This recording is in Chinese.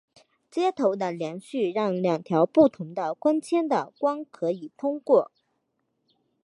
接头的接续让两条不同的光纤的光可以通过。